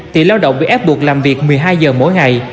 thì lao động bị ép buộc làm việc một mươi hai h mỗi ngày